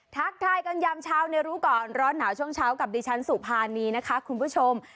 ทักทายกันยามเช้าในรู้ก่อนร้อนหนาวช่วงเช้ากับดิฉันสุภานีนะคะคุณผู้ชม